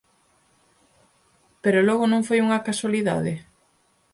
_¿Pero logo non foi unha casualidade?